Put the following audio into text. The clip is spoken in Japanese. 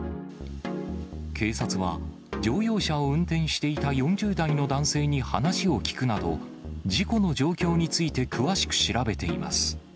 警察は、乗用車を運転していた４０代の男性に話を聴くなど、事故の状況について詳しく調べています。